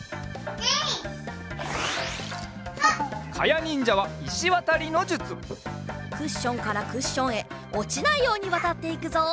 クッションからクッションへおちないようにわたっていくぞ。